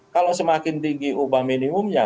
kalau semakin tinggi upah minimumnya